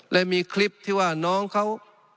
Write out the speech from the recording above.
และมีคลิปที่ว่าน้องเขา